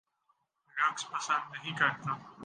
رقص پسند نہیں کرتا